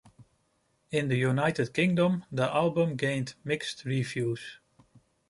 In the United Kingdom, the album gained mixed reviews.